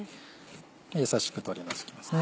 優しく取り除きますね。